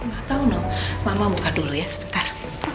gak tau nung mama buka dulu ya sebentar